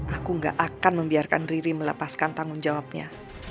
aku gak akan membiarkan riri melepaskan tanggung jawabnya